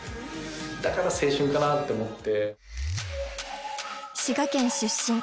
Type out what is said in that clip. だから青春かなって思って。